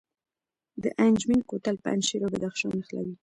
د انجمین کوتل پنجشیر او بدخشان نښلوي